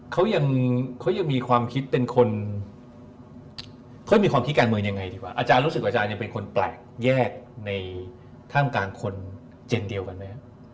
เขายังมีความคิดการเมืองยังไงดีกว่า